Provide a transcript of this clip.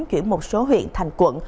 chuyển một số huyện thành quận